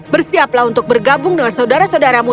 bersiaplah untuk bergabung dengan saudara saudara mu